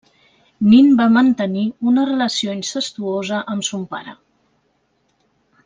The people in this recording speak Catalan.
Nin va mantenir una relació incestuosa amb son pare.